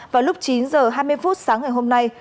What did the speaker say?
vào lúc chín h hai mươi phút sáng ngày hôm nay